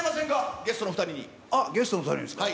ゲストの２人にですか？